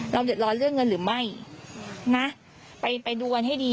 เดือดร้อนเรื่องเงินหรือไม่นะไปดูกันให้ดี